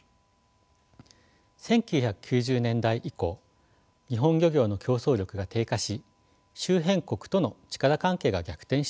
１９９０年代以降日本漁業の競争力が低下し周辺国との力関係が逆転しています。